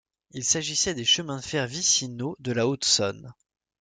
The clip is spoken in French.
Il s'agissait des Chemins de fer vicinaux de la Haute-Saône.